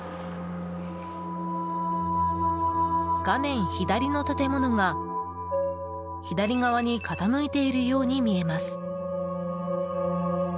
画面左の建物が左側に傾いているように見えます。